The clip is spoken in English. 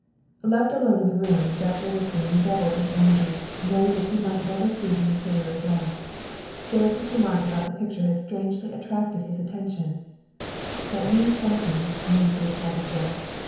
Left alone in the room, Jack Witherspoon redoubled his energies, knowing that he might never see the interior again. Ferris' remark about the picture had strangely attracted his attention. "That means something," mused the excited Jack.